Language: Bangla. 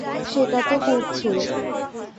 সেটা তো করেছই।